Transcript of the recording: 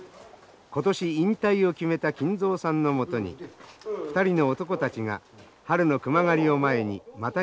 今年引退を決めた金蔵さんのもとに２人の男たちが春の熊狩りを前にマタギの技を教えてほしいと訪れました。